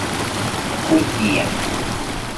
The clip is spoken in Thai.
พูดเหยียด